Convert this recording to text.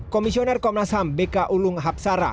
komisioner komnas ham bk ulung hapsara